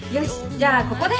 じゃあここで。